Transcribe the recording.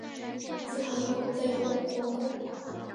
此后英国不再有护国公。